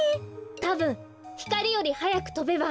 たぶんひかりよりはやくとべば。